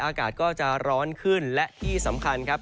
อากาศก็จะร้อนขึ้นและที่สำคัญครับ